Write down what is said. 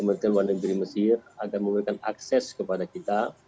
kementerian luar negeri mesir akan memberikan akses kepada kita